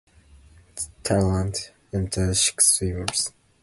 Thailand entered six swimmers.